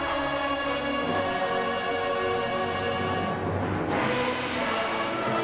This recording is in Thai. อาเมนอาเมน